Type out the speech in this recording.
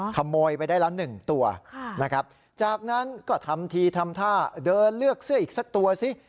ขโมยไปได้ละ๑ตัวนะครับจากนั้นก็ทำทีทำท่าเดินเลือกเสื้ออีกสักตัวซิ